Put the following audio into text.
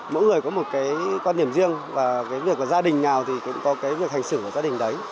mỗi người có một cái quan điểm riêng và cái việc là gia đình nào thì cũng có cái việc hành xử ở gia đình đấy